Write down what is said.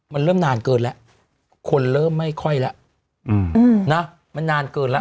มันเริ่มนานเกินแล้วคนเริ่มไม่ค่อยแล้วนะมันนานเกินแล้ว